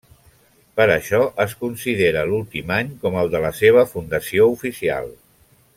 Per això es considera l'últim any com el de la seva fundació oficial.